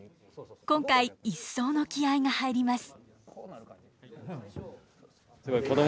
今回一層の気合いが入ります。